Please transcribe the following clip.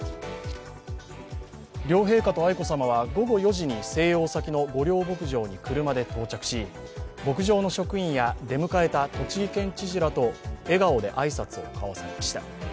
両陛下と愛子さまは午後４時に静養先の御料牧場に車で到着し牧場の職員や出迎えた栃木県知事らと笑顔で挨拶を交わされました。